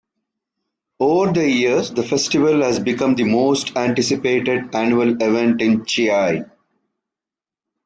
Over the years the festival has become the most anticipated annual event in Chiayi.